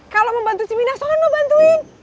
kalo mau bantu si minah soalnya lu bantuin